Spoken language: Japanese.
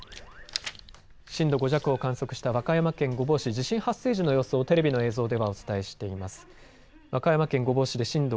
震度５弱を観測した和歌山県御坊市、地震発生時の様子をテレビの映像ではお伝えしています。